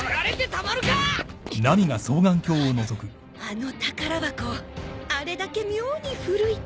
あの宝箱あれだけ妙に古い。